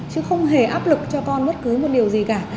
chứ không hề áp lực cho con bất cứ một điều gì cả